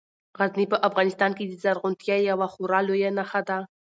غزني په افغانستان کې د زرغونتیا یوه خورا لویه نښه ده.